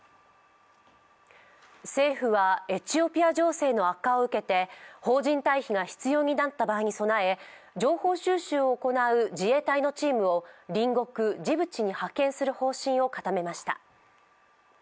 政府はエチオピア情勢の悪化を受けて邦人退避が必要になった場合に備え情報収集を行う自衛隊のチームを隣国ジブチに派遣する方針を固めました。